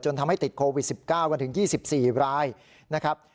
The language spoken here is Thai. ทำให้ติดโควิด๑๙กันถึง๒๔รายนะครับ